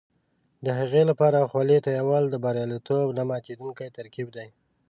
د هغې لپاره خولې تویول د بریالیتوب نه ماتېدونکی ترکیب دی.